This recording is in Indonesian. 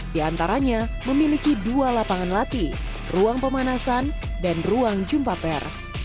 di antaranya memiliki dua lapangan latih ruang pemanasan dan ruang jumpa pers